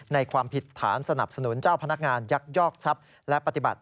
ความผิดฐานสนับสนุนเจ้าพนักงานยักยอกทรัพย์และปฏิบัติ